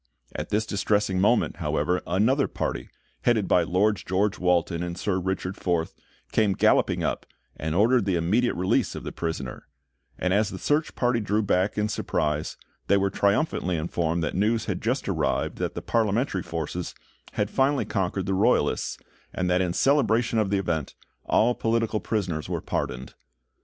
At this distressing moment, however, another party, headed by Lord George Walton and Sir Richard Forth, came galloping up, and ordered the immediate release of the prisoner; and as the search party drew back in surprise, they were triumphantly informed that news had just arrived that the Parliamentary forces had finally conquered the Royalists, and that in celebration of the event, all political prisoners were pardoned.